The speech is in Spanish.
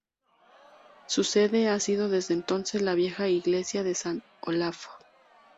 Su sede ha sido desde entonces la vieja iglesia de San Olaf.